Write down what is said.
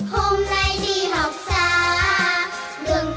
hôm nay đi học xa đường tương lai đường gần